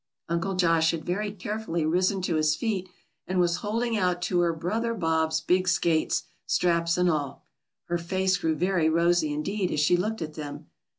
Uncle Josh had very carefully risen to his feet, and was holding out to her Brother Bob's big skates, straps and all. Her face grew very rosy indeed as she looked at them.